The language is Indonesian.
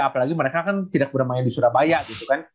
apalagi mereka kan tidak bermain di surabaya gitu kan